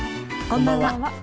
こんばんは。